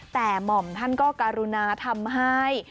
แต่หม่อมท่านก็การุณาทำให้